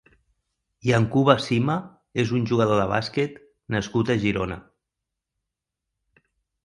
Yankuba Sima és un jugador de bàsquet nascut a Girona.